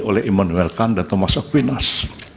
oleh immanuel khan dan thomas aquinas